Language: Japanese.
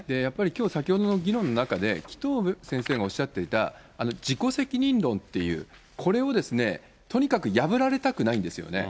きょう、先ほどの議論の中で、紀藤先生がおっしゃっていた自己責任論という、これをとにかく破られたくないんですよね。